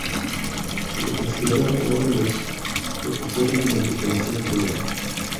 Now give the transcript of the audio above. Se le considera uno de los precursores de la independencia de Colombia.